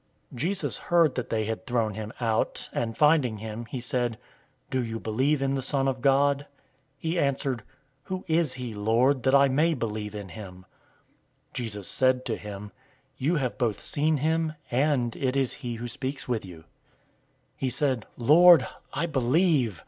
009:035 Jesus heard that they had thrown him out, and finding him, he said, "Do you believe in the Son of God?" 009:036 He answered, "Who is he, Lord, that I may believe in him?" 009:037 Jesus said to him, "You have both seen him, and it is he who speaks with you." 009:038 He said, "Lord, I believe!"